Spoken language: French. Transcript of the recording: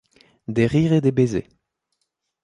Des rires et des baisers.